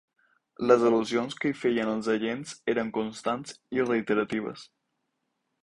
Les al·lusions que hi feien els agents eren constants i reiteratives.